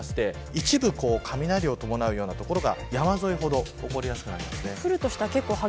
一部、雷を伴うような所が山沿ほど起こりやすくなります。